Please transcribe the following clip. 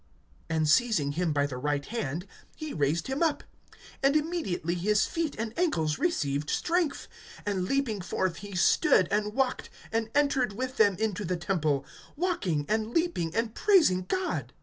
(7)And seizing him by the right hand, he raised him up. And immediately his feet and ankles received strength; (8)and leaping forth, he stood, and walked, and entered with them into the temple, walking, and leaping, and praising God.